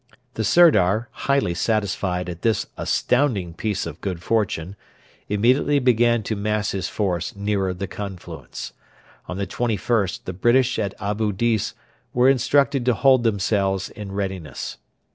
The Sirdar, highly satisfied at this astounding piece of good fortune, immediately began to mass his force nearer the confluence. On the 21st the British at Abu Dis were instructed to hold themselves in readiness.